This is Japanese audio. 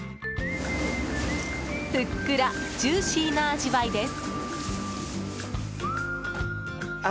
ふっくらジューシーな味わいです。